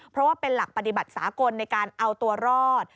เพราะว่าเป็นหลักปฏิบัติสากลในการเอาตัวรอด